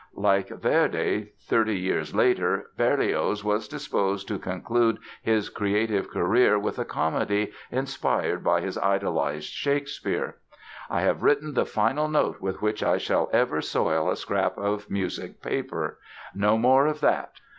Like Verdi, thirty years later, Berlioz was disposed to conclude his creative career with a comedy inspired by his idolized Shakespeare. "I have written the final note with which I shall ever soil a scrap of music paper. No more of that!